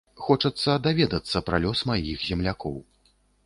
Хочацца даведацца пра лёс маіх землякоў.